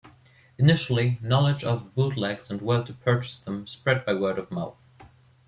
Initially, knowledge of bootlegs and where to purchase them spread by word of mouth.